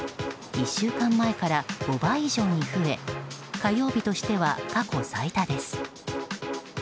１週間前から５倍以上に増え火曜日としては過去最多です。